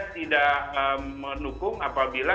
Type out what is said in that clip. tidak menukung apabila